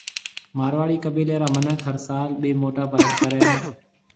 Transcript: مارواڙِي قبيلَي را مِنک هر سال ٻي موٽا پَرٻ ڪريَ هيَ۔